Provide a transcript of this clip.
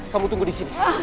kamu tunggu di sini